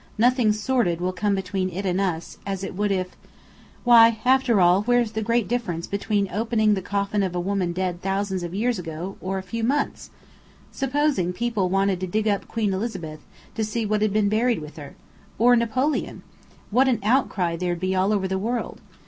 Nothing sordid will come between it and us, as it would if why, after all, where's the great difference between opening the coffin of a woman dead thousands of years ago, or a few months? Supposing people wanted to dig up Queen Elizabeth, to see what had been buried with her? Or Napoleon? What an outcry there'd be all over the world.